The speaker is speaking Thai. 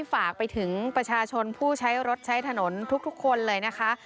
ฝากไปถึงประชาชนผู้ใช้รถใช้ถนนทุกคนเลยนะคะ